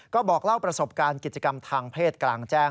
ก็บอกเล่าประสบการณ์กิจกรรมทางเพศกลางแจ้ง